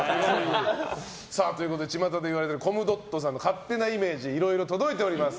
巷で言われているコムドットさんの勝手なイメージいろいろ届いております。